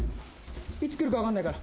いつ来るか分かんないから。